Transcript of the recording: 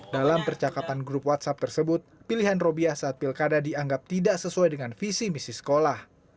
dalam percakapan grup whatsapp tersebut pilihan robiah saat pilkada dianggap tidak sesuai dengan visi misi sekolah